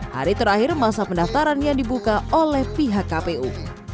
hari terakhir masa pendaftaran yang dibuka oleh pihak kpu